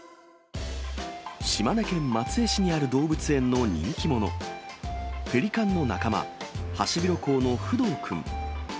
島根県松江市にある動物園の人気者、ペリカンの仲間、ハシビロコウのフドウくん。